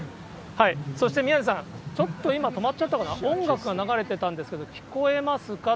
そして宮根さん、ちょっと今、止まっちゃったかな、音楽が流れてたんですけど、聴こえますか？